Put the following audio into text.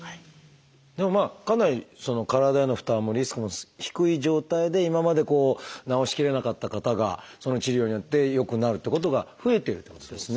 でもかなり体への負担もリスクも低い状態で今まで治し切れなかった方がその治療によって良くなるっていうことが増えてるということですね。